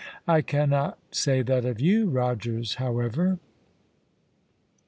I cannot say that of you, Rogers, however."